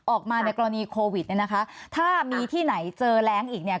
ออกมาในกรณีโควิดเนี่ยนะคะถ้ามีที่ไหนเจอแรงอีกเนี่ย